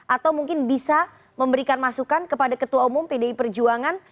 atau mungkin bisa memberikan masukan kepada ketua umum pdi perjuangan